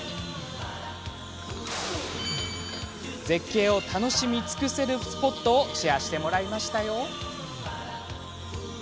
絶景を楽しみ尽くせるスポットをシェアしてもらいました。